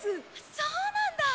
そうなんだ！